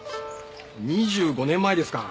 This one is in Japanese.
２５年前ですか。